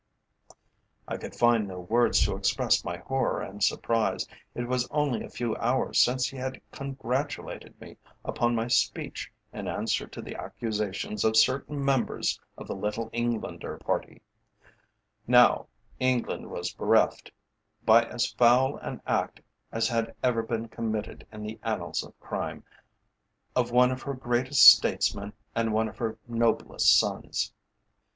I could find no words to express my horror and surprise. It was only a few hours since he had congratulated me upon my speech in answer to the accusations of certain members of the Little Englander Party; now England was bereft, by as foul an act as had ever been committed in the annals of crime, of one of her greatest statesmen and of one of her noblest sons.